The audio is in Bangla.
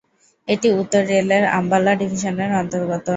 এটি উত্তর রেল-এর আম্বালা ডিভিশনের অন্তর্গত।